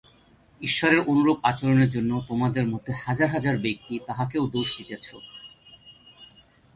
ঈশ্বরের অনুরূপ আচরণের জন্য তোমাদের মধ্যে হাজার হাজার ব্যক্তি তাঁহাকেও দোষ দিতেছ।